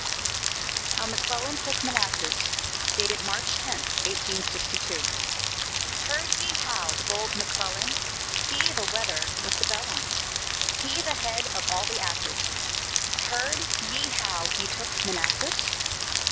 HOW McCLELLAN TOOK MANASSAS [March 10, 1862] Heard ye how the bold McClellan, He, the wether with the bell on; He, the head of all the asses Heard ye how he took Manassas?